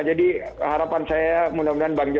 jadi harapan saya